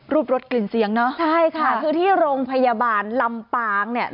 รสกลิ่นเสียงเนอะใช่ค่ะคือที่โรงพยาบาลลำปางเนี่ย